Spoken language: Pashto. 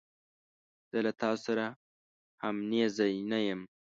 زه له تا سره همنیزی نه یم.